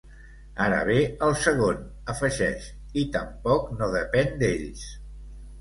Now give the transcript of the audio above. Ara ve el segon, afegeix, i tampoc no depèn d’ells.